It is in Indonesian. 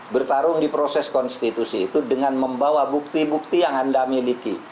bertarung di proses konstitusi itu dengan membawa bukti bukti yang anda miliki